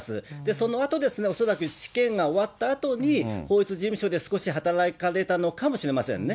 そのあとですね、恐らく試験が終わったあとに、法律事務所で少し働かれたのかもしれませんね。